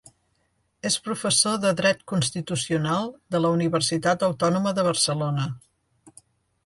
És professor de dret Constitucional de la Universitat Autònoma de Barcelona.